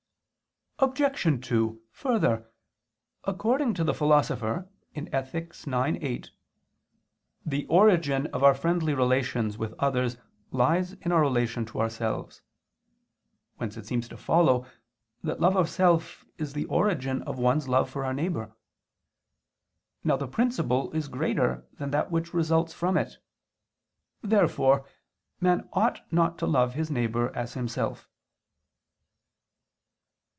Obj. 2: Further, according to the Philosopher (Ethic. ix, 8) "the origin of our friendly relations with others lies in our relation to ourselves," whence it seems to follow that love of self is the origin of one's love for one's neighbor. Now the principle is greater than that which results from it. Therefore man ought not to love his neighbor as himself.